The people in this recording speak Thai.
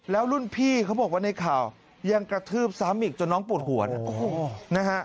แล้วรุ่นพี่เขาบอกว่าในข่าวยังกระทืบซ้ำอีกจนน้องปวดหัวนะฮะ